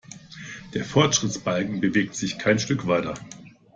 Der Fortschrittsbalken bewegt sich kein Stück weiter.